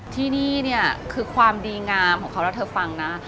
ที่นี่เนี่ยคือความดีงามของเขาแล้วเธอฟังนะ